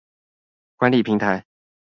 管理平台